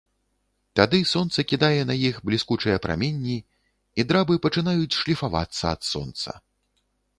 Тады сонца кідае на іх бліскучыя праменні, і драбы пачынаюць шліфавацца ад сонца.